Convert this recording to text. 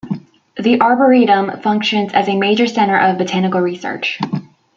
The arboretum functions as a major center of botanical research.